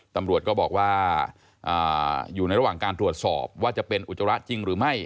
ตำรวจก็บอกว่าอยู่ในระหว่างการตรวจสอบว่าจะเป็นอุจจาระจริงหรือไม่